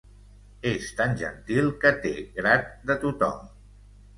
És tan gentil que té grat de tothom.